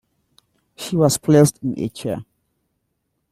She was placed in a chair.